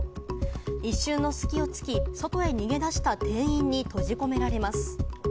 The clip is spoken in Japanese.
一瞬の隙をつき、外へ逃げ出した店員に閉じ込められます。